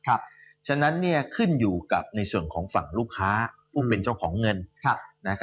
เพราะฉะนั้นขึ้นอยู่กับในส่วนของฝั่งลูกค้าผู้เป็นเจ้าของเงิน